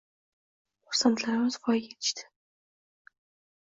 Farzandlarimiz voyaga etishdi